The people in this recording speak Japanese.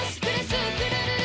スクるるる！」